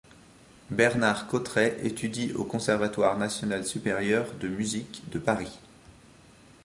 Bernard Cottret étudie au conservatoire national supérieur de musique de Paris.